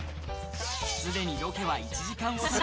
すでにロケは１時間押し。